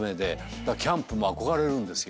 キャンプも憧れるんですよ。